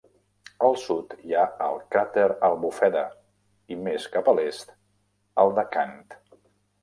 Al sud hi ha el cràter Abulfeda i més cap a l'est, el de Kant.